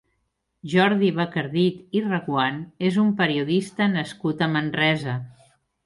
Jordi Bacardit i Reguant és un periodista nascut a Manresa.